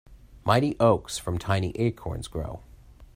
Mighty oaks from tiny acorns grow.